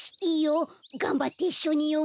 がんばっていっしょによもう。